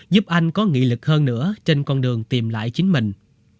giúp anh có nghị lực hơn nữa trên con đường tìm lại chính mình